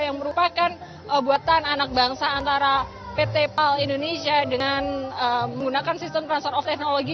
yang merupakan buatan anak bangsa antara pt pal indonesia dengan menggunakan sistem transfer of technology